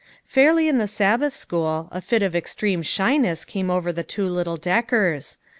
Fairly in the Sabbath school, a fit of extreme shyness came over the two little Deckers.